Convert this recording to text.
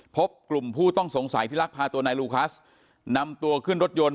พบกลุ่มผู้ต้องสงสัยที่ลักพาตัวนายลูคัสนำตัวขึ้นรถยนต์